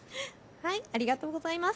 ありがとうございます。